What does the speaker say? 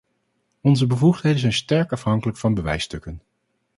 Onze bevoegdheden zijn sterk afhankelijk van bewijsstukken.